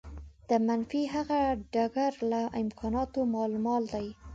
د منفي هغه ډګر له امکاناتو مالامال دی.